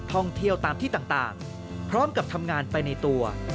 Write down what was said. ท่องเที่ยวตามที่ต่างพร้อมกับทำงานไปในตัว